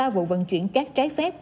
ba mươi ba vụ vận chuyển cát trái phép